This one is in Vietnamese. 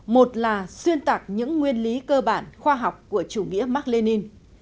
một là xuyên tạc những nguyên lý cơ bản khoa học của chủ nghĩa mark lenin